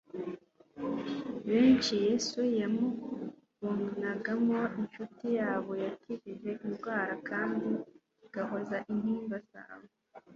Benshi Yesu bamubonagamo inshuti yabo yabakijije indwara kandi igahoza intimba zabo,